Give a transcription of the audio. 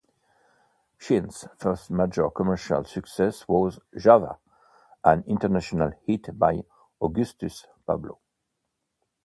Chin's first major commercial success was "Java", an international hit by Augustus Pablo.